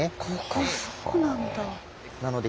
ここそうなんだ。